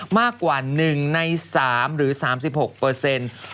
มากกว่า๑ใน๓หรือ๓๖เปอร์เซ็นต์